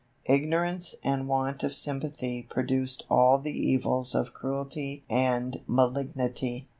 "Ignorance and want of sympathy produced all the evils of cruelty and malignity.